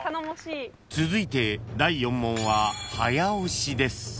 ［続いて第４問は早押しです］